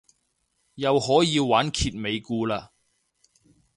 又可以玩揭尾故嘞